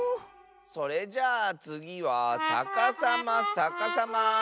それじゃあつぎはさかさまさかさま！